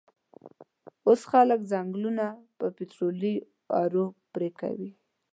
وس خلک ځنګلونه په پیټررولي ارو پیرکوی